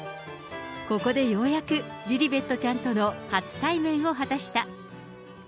ここでようやくリリベットちゃんとの初対面を果たした。